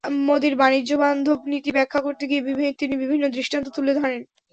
মোদির বাণিজ্যবান্ধব নীতি ব্যাখ্যা করতে গিয়ে তিনি বিভিন্ন দৃষ্টান্ত তুলে ধরেন।